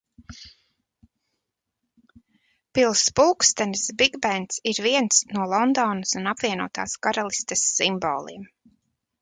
Pils pulkstenis Bigbens ir viens no Londonas un Apvienotās Karalistes simboliem.